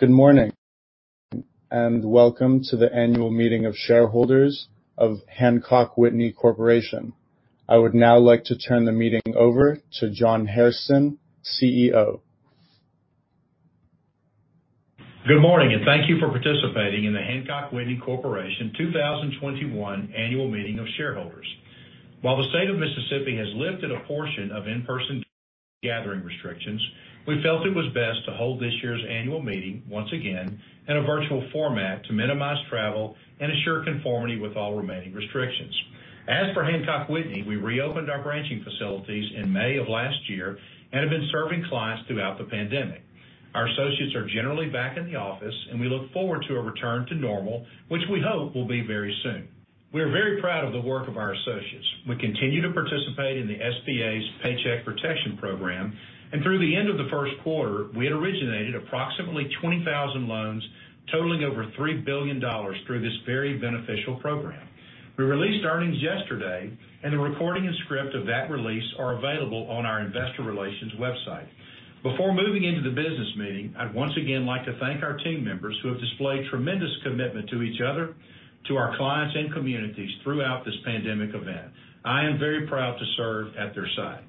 Good morning, welcome to the annual meeting of shareholders of Hancock Whitney Corporation. I would now like to turn the meeting over to John Hairston, CEO. Good morning, thank you for participating in the Hancock Whitney Corporation 2021 annual meeting of shareholders. While the State of Mississippi has lifted a portion of in-person gathering restrictions, we felt it was best to hold this year's annual meeting once again in a virtual format to minimize travel and ensure conformity with all remaining restrictions. As for Hancock Whitney, we reopened our branching facilities in May of last year and have been serving clients throughout the pandemic. Our associates are generally back in the office, and we look forward to a return to normal, which we hope will be very soon. We are very proud of the work of our associates. We continue to participate in the SBA's Paycheck Protection Program, and through the end of the first quarter, we had originated approximately 20,000 loans totaling over $3 billion through this very beneficial program. We released earnings yesterday, and the recording and script of that release are available on our investor relations website. Before moving into the business meeting, I'd once again like to thank our team members who have displayed tremendous commitment to each other, to our clients and communities throughout this pandemic event. I am very proud to serve at their side.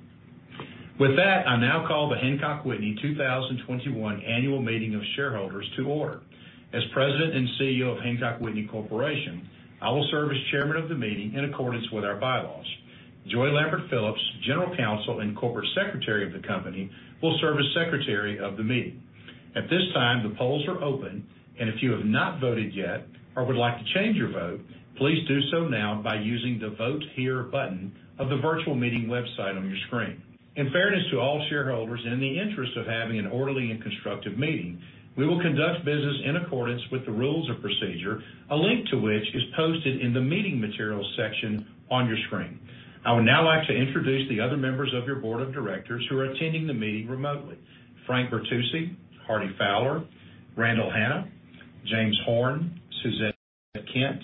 With that, I now call the Hancock Whitney 2021 Annual Meeting of Shareholders to order. As President and CEO of Hancock Whitney Corporation, I will serve as Chairman of the meeting in accordance with our bylaws. Joy Lambert Phillips, General Counsel, and Corporate Secretary of the company, will serve as Secretary of the meeting. At this time, the polls are open, and if you have not voted yet or would like to change your vote, please do so now by using the Vote Here button of the virtual meeting website on your screen. In fairness to all shareholders and in the interest of having an orderly and constructive meeting, we will conduct business in accordance with the rules of procedure, a link to which is posted in the Meeting Materials section on your screen. I would now like to introduce the other members of your board of directors who are attending the meeting remotely. Frank Bertucci, Hardy Fowler, Randall Hanna, James Horn, Suzette Kent,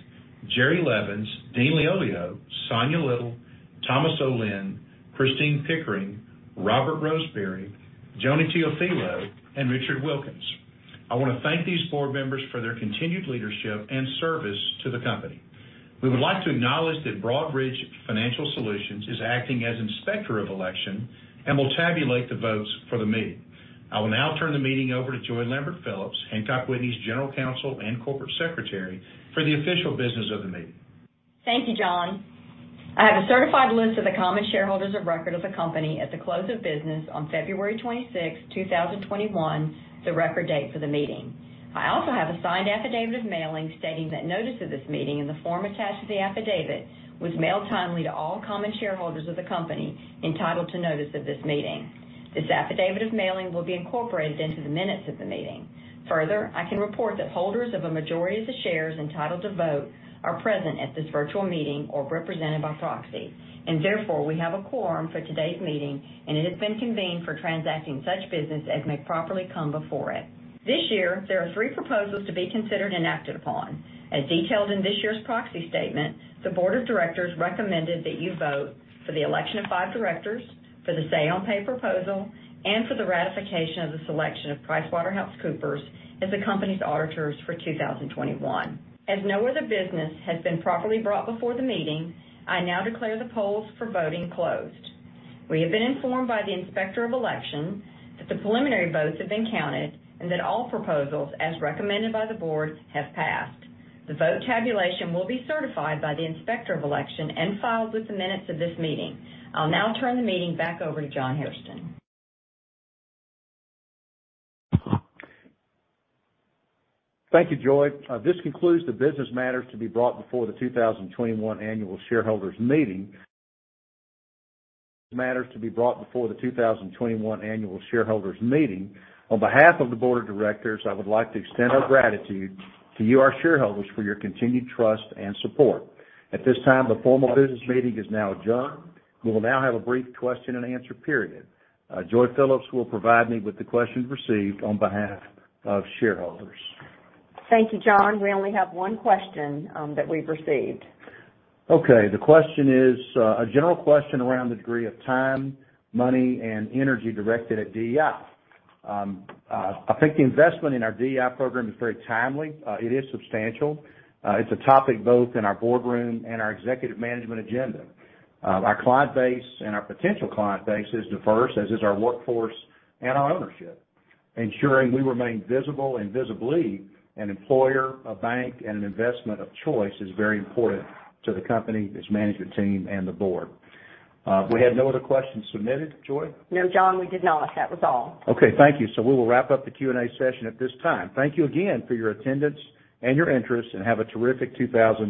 Jerry Levins, Dean Liolio, Sonya Little, Thomas O'Linn, Christine Pickering, Robert Roseberry, Joni Teofilo, and Richard Wilkins. I want to thank these board members for their continued leadership and service to the company. We would like to acknowledge that Broadridge Financial Solutions is acting as Inspector of Election and will tabulate the votes for the meeting. I will now turn the meeting over to Joy Lambert Phillips, Hancock Whitney's General Counsel and Corporate Secretary, for the official business of the meeting. Thank you, John. I have a certified list of the common shareholders of record of the company at the close of business on February 26th, 2021, the record date for the meeting. I also have a signed affidavit of mailing stating that notice of this meeting in the form attached to the affidavit was mailed timely to all common shareholders of the company entitled to notice of this meeting. This affidavit of mailing will be incorporated into the minutes of the meeting. Further, I can report that holders of a majority of the shares entitled to vote are present at this virtual meeting or represented by proxy, and therefore we have a quorum for today's meeting and it has been convened for transacting such business as may properly come before it. This year, there are three proposals to be considered and acted upon. As detailed in this year's proxy statement, the board of directors recommended that you vote for the election of five directors, for the say on pay proposal, and for the ratification of the selection of PricewaterhouseCoopers as the company's auditors for 2021. As no other business has been properly brought before the meeting, I now declare the polls for voting closed. We have been informed by the Inspector of Election that the preliminary votes have been counted and that all proposals as recommended by the board have passed. The vote tabulation will be certified by the Inspector of Election and filed with the minutes of this meeting. I'll now turn the meeting back over to John Hairston. Thank you, Joy. This concludes the business matters to be brought before the 2021 annual shareholders meeting. On behalf of the board of directors, I would like to extend our gratitude to you, our shareholders, for your continued trust and support. At this time, the formal business meeting is now adjourned. We will now have a brief question and answer period. Joy Phillips will provide me with the questions received on behalf of shareholders. Thank you, John. We only have one question that we've received. Okay. The question is a general question around the degree of time, money, and energy directed at DEI. I think the investment in our DEI program is very timely. It is substantial. It's a topic both in our boardroom and our executive management agenda. Our client base and our potential client base is diverse, as is our workforce and our ownership. Ensuring we remain visible and visibly an employer, a bank, and an investment of choice is very important to the company, its management team, and the board. We had no other questions submitted, Joy? No, John, we did not. That was all. Okay, thank you. We will wrap up the Q&A session at this time. Thank you again for your attendance and your interest, and have a terrific 2,000.